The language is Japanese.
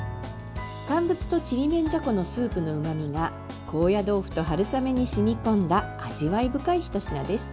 乾物とちりめんじゃこのスープのうまみが高野豆腐と春雨に染み込んだ味わい深いひと品です。